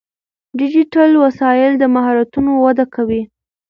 ډیجیټل وسایل د مهارتونو وده کوي.